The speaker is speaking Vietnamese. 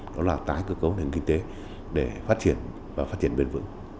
đó là tái cơ cấu nền kinh tế để phát triển và phát triển bền vững